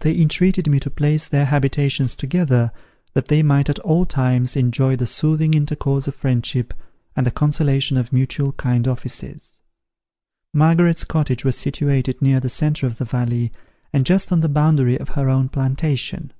They entreated me to place their habitations together, that they might at all times enjoy the soothing intercourse of friendship, and the consolation of mutual kind offices. Margaret's cottage was situated near the centre of the valley, and just on the boundary of her own plantation.